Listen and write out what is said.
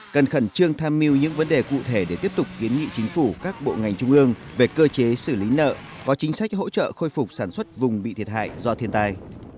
cần khẩn trương tham mưu những vấn đề cụ thể để tiếp tục kiến nghị chính phủ các bộ ngành trung ương về cơ chế xử lý nợ có chính sách hỗ trợ khôi phục sản xuất vùng bị thiệt hại do thiên tai